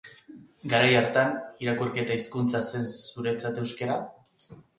Garai hartan, irakurketa-hizkuntza zen zuretzat euskara?